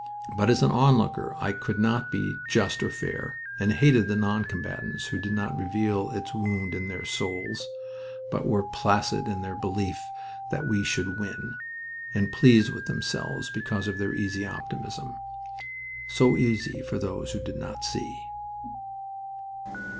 But, as an onlooker, I could not be just or fair, and hated the non combatants who did not reveal its wound in their souls, but were placid in their belief that we should win, and pleased with themselves because of their easy optimism. So easy for those who did not see!